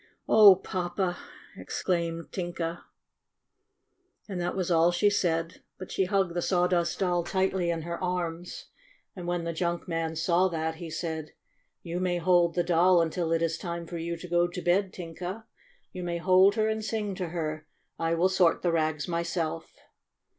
"Oh, Papa !" exclaimed Tinka, and that was all she said, but she hugged the Saw A HAPPY VISIT 101 dust Doll tightly in her arms. And when the junk man saw that he said: "You may hold the Doll until it is time for you to go to bed, Tinka. You may hold her and sing to her. I will sort the rags myself."